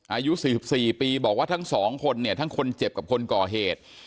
อายุ๔๔ปีบอกว่าทั้งสองคนเนี่ยทั้งคนเจ็บกับคนก่อเหตุ